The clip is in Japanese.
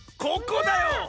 ここだよ！